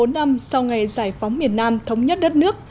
bốn mươi năm sau ngày giải phóng miền nam thống nhất đất nước